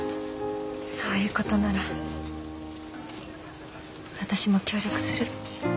そういう事なら私も協力する。